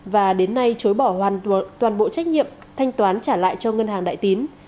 và đến nay chối bỏ toàn bộ trách nhiệm thanh toán trả lại cho ngân hàng đại tín